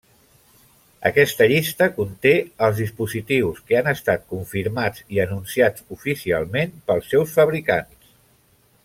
Aquesta llista conté els dispositius que han estat confirmats i anunciats oficialment pels seus fabricants.